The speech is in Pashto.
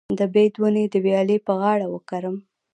د بید ونې د ویالې په غاړه وکرم؟